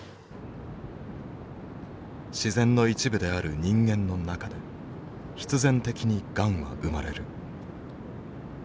自然の一部である人間の中で必然的にがんは生まれる。